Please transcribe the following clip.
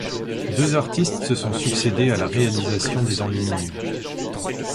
Deux artistes se sont succédé à la réalisation des enluminures.